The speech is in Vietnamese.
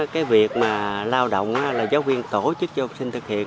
cái việc mà lao động là giáo viên tổ chức cho học sinh thực hiện